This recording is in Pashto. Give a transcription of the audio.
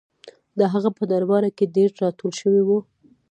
د هغه په درباره کې ډېر راټول شوي وو.